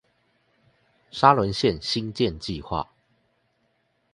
沙崙線興建計畫